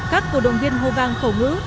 các cổ động viên hô vang khổ ngữ